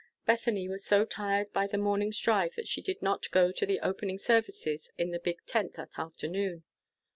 Bethany was so tired by the morning's drive that she did not go to the opening services in the big tent that afternoon.